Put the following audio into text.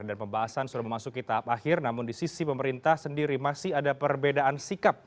dan pembahasan sudah memasuki tahap akhir namun di sisi pemerintah sendiri masih ada perbedaan sikap